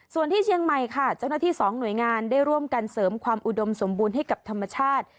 ส่วนที่เชียงใหม่ค่ะเจ้าหน้าที่สองหน่วยงานได้ร่วมกันเสริมความอุดมสมบูรณ์ให้กับธรรมชาติ